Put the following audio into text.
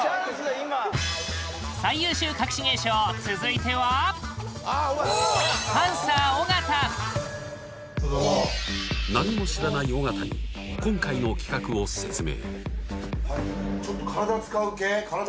今最優秀かくし芸賞続いては何も知らない尾形に今回の企画を説明